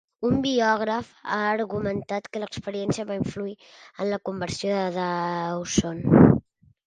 Un biògraf ha argumentat que l'experiència va influir en la conversió de Dawson.